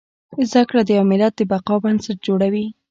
زده کړه د يو ملت د بقا بنسټ جوړوي